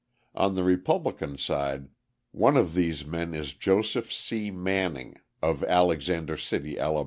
On the Republican side one of these men is Joseph C. Manning, of Alexander City, Ala.